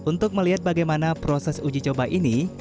untuk melihat bagaimana proses uji coba ini